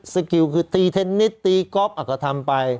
สกิลคือตีเทนนิสตีก๊อฟก็ทำไป